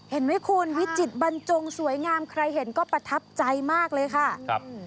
เห็นไหมคุณวิจิตบรรจงสวยงามใครเห็นก็ประทับใจมากเลยค่ะครับ